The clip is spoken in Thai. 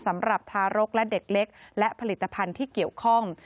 สำหรับทารกและเด็กเล็กและผลิตภัณฑ์ที่เกี่ยวข้อง